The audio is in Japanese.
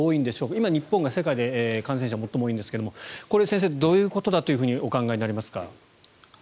今、日本が世界で感染者最も多いんですがこれは先生、どういうことだとお考えになりますか？